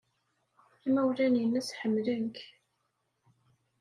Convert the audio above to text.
Imawlan-nnes ḥemmlen-k.